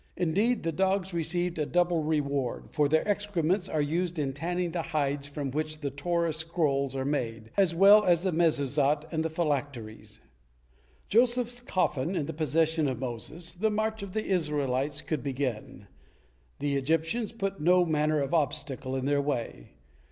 Indeed, the dogs received a double reward, for their excrements are used in tanning the hides from which the Torah scrolls are made, as well as the Mezuzot and the phylacteries. Joseph's coffin in the possession of Moses, the march of the Israelites could begin. The Egyptians put no manner of obstacle in their way.